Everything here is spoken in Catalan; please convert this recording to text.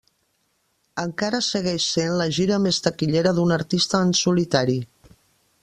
Encara segueix sent la gira més taquillera d'un artista en solitari.